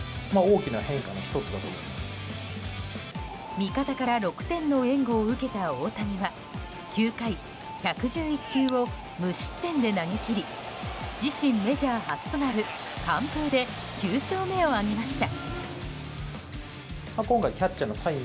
味方から６点の援護を受けた大谷は９回１１１球を無失点で投げ切り自身メジャー初となる完封で９勝目を挙げました。